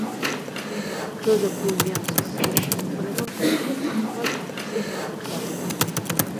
ჯოზეფ უილიამსის სოლო შემოქმედება, მსუბუქად რომ ვთქვათ, არც ისე შთამბეჭდავია.